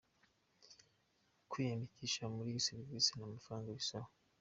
Kwiyandikisha muri iyi serivisi nta mafaranga bisaba.